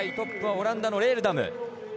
現在トップはオランダのエールダム。